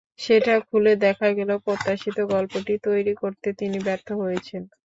সেটা খুলে দেখা গেল, প্রত্যাশিত গল্পটি তৈরি করতে তিনি ব্যর্থ হয়েছেন।